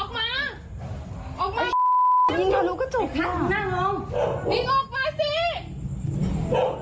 เฮ้ยออกมาออกมาไอ้ยิงยังรู้กระจกท่านั่งลงยิงออกมาสิ